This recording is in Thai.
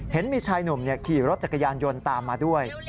เห็นมีชายหนุ่มขี่รถจักรยานยนต์ตามมาด้วย